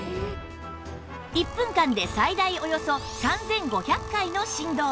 １分間で最大およそ３５００回の振動